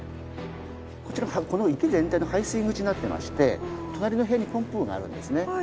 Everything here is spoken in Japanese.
こちらこの池全体の排水口になってまして隣の部屋にポンプがあるんですね。